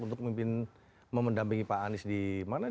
untuk memimpin memendampingi pak anies di mana